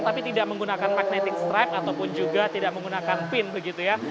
tapi tidak menggunakan magnetic stripe ataupun juga tidak menggunakan pin begitu ya